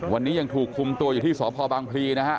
วันนี้ยังถูกคุมตัวอยู่ที่สพบางพลีนะฮะ